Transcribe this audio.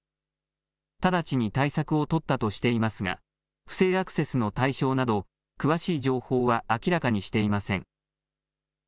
直ちに対策を取ったとしていますが不正アクセスの対象など詳しい情報は明らかにしていません。